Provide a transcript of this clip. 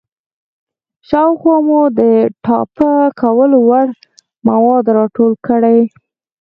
شاوخوا مو د ټاپه کولو وړ مواد راټول کړئ.